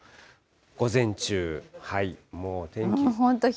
午前中、もう天気。